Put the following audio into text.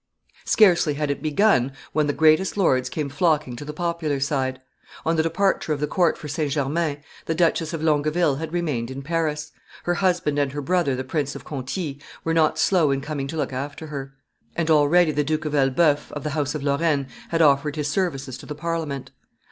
Scarcely had it begun, when the greatest lords came flocking to the popular side. On the departure of the court for St. Germain, the Duchess of Longueville had remained in Paris; her husband and her brother the Prince of Conti were not slow in coming to look after her; and already the Duke of Elbeuf, of the house of Lorraine, had offered his services to the Parliament.